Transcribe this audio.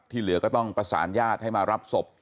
เหลือก็ต้องประสานญาติให้มารับศพ